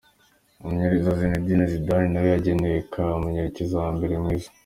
Umumenyereza Zinedine Zidane nawe yagenywe ka mumenyereza wa mbere mwiza.